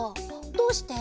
どうして？